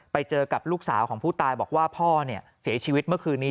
ไปเจอกับลูกสาวของผู้ตายบอกว่าพ่อเนี่ยเสียชีวิตเมื่อคืนนี้